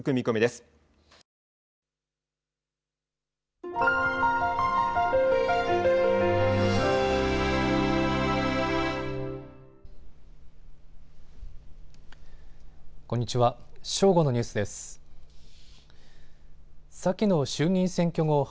こんにちは。